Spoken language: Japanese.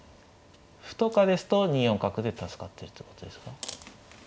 歩とかですと２四角で助かってるってことですか。